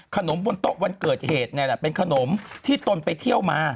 บนโต๊ะวันเกิดเหตุนี่แหละเป็นขนมที่ตนไปเที่ยวมา